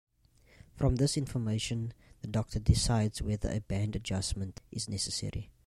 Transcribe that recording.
From this information, the doctor decides whether a band adjustment is necessary.